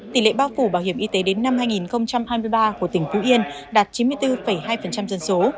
tỷ lệ bao phủ bảo hiểm y tế đến năm hai nghìn hai mươi ba của tỉnh phú yên đạt chín mươi bốn hai dân số